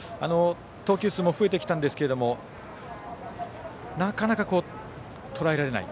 投球数も増えてきたんですけれどもなかなかとらえられない。